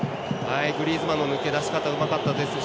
グリーズマンの抜け出し方うまかったですし